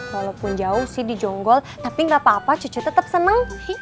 walaupun jauh sih di jonggol tapi gak apa apa cucu tetap seneng